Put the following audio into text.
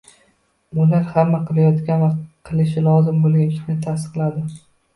Ular hamma qilayotgan va qilishi lozim bo‘lgan ishni tasdiqladi